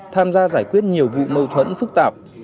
tham gia giải quyết nhiều vụ mâu thuẫn phức tạp